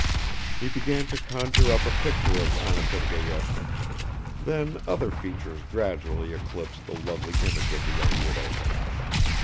He began to conjure up a picture of Anna Sergeyevna; then other features gradually eclipsed the lovely image of the young widow.